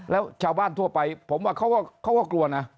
แล้วชาวบ้านทั่วไปผมว่าเขาก็กลัวนะ